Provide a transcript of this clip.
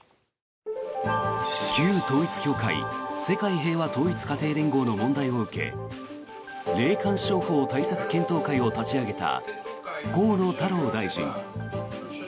旧統一教会世界平和統一家庭連合の問題を受け霊感商法対策検討会を立ち上げた河野太郎大臣。